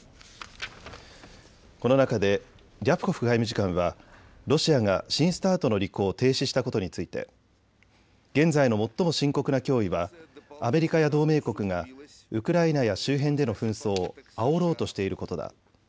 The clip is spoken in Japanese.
この中でリャプコフ外務次官はロシアが新ＳＴＡＲＴの履行を停止したことについて現在の最も深刻な脅威はアメリカや同盟国がウクライナや周辺での紛争をあおろうとしていることだ。